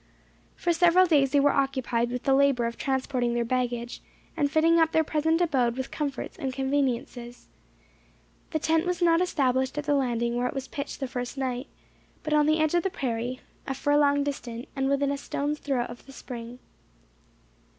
For several days they were occupied with the labour of transporting their baggage, and fitting up their present abode with comforts and conveniences. The tent was not established at the landing where it was pitched the first night, but on the edge of the prairie, a furlong distant, and within a stone's throw of the spring.